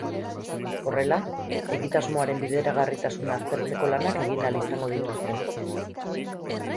Horrela, egitasmoaren bideragarritasuna aztertzeko lanak egin ahal izango dituzte.